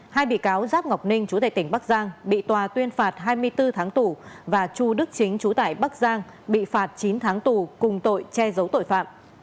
hai bị cáo giáp ngọc ninh chú tại tỉnh bắc giang bị tòa tuyên phạt hai mươi bốn tháng tù và chu đức chính chú tải bắc giang bị phạt chín tháng tù cùng tội che giấu tội phạm